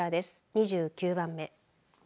２９番目。